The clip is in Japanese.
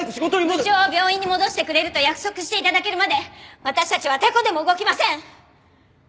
部長を病院に戻してくれると約束して頂けるまで私たちはてこでも動きません！